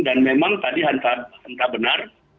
dan memang tadi hantar benar